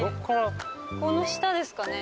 この下ですかね？